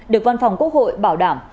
được văn phòng quốc hội bảo đảm